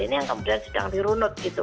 ini yang kemudian sedang dirunut gitu